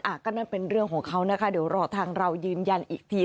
อ่ะก็นั่นเป็นเรื่องของเขานะคะเดี๋ยวรอทางเรายืนยันอีกที